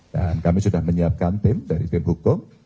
dan kami sudah menyiapkan tim dari tim hukum